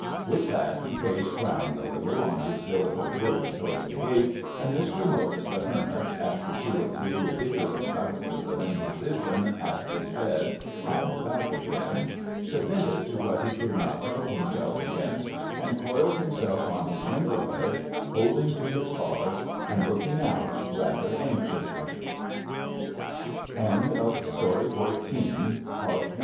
' With that, he faced round a little on his billet of wood towards the gate; and Mr. Mopes, the Hermit, after two or three ridiculous bounces of indecision at his bed and back again, submitted to what he could not help himself against, and coiled himself on his window ledge, holding to his ba